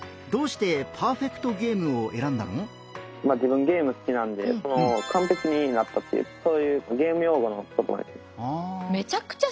自分ゲーム好きなんでかんぺきになったっていうそういうゲーム用語の言葉です。